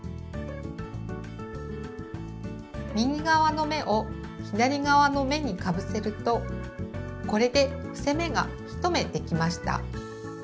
右側の目を左側の目にかぶせるとこれで伏せ目が１目できました。